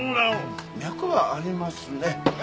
脈はありますね。